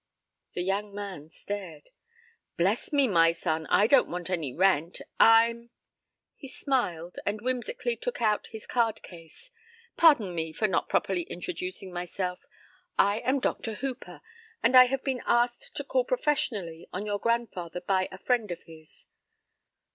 The young man stared. "Bless me, my son. I don't want any rent. I'm," he smiled, and whimsically took out his card case. "Pardon me for not properly introducing myself. I am Dr. Hooper, and I have been asked to call professionally on your grandfather by a friend of his."